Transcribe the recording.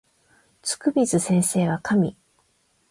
つくみず先生は神